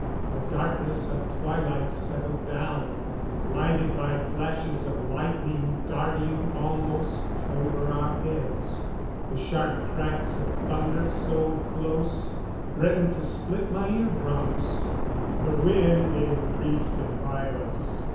The darkness of twilight settled down, lighted by flashes of lightning darting almost over our heads. The sharp cracks of thunder so close threatened to split my eardrums. The wind increased in violence.